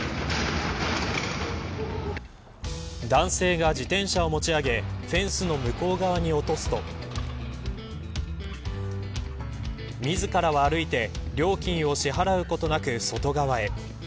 男性が自転車を持ち上げフェンスの向こう側に落とすと自らは歩いて料金を支払うことなく外側へ。